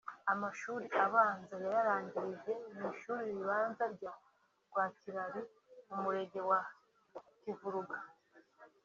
Amashuri abanza yayarangirije mu Ishuri Ribanza rya Rwakirari mu murenge wa Kivuruga